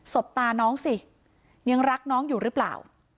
บตาน้องสิยังรักน้องอยู่หรือเปล่า